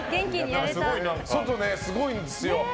外すごいんですよ。